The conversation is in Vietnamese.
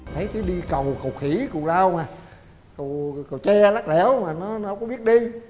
thấy cái đi cầu khỉ cầu lao mà cầu tre lắc lẽo mà nó không biết đi